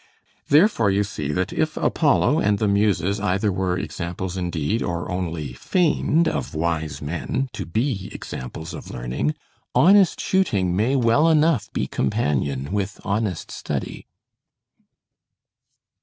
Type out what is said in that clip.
Therefore you see that if Apollo and the Muses either were examples indeed, or only feigned of wise men to be examples of learning, honest shooting may well enough be companion with honest study.